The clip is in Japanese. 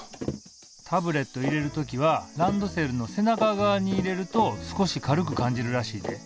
タブレット入れる時はランドセルの背中側に入れると少し軽く感じるらしいで。